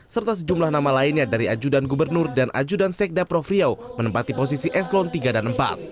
serta sejumlah nama lainnya dari ajudan gubernur dan ajudan sekda prof riau menempati posisi eslon tiga dan empat